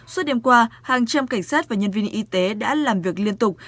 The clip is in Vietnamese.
suốt đêm qua hàng trăm cảnh sát và nhân viên y tế đã làm việc liên tục